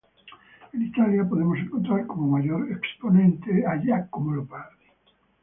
En Italia podemos encontrar como mayor exponente a Giacomo Leopardi.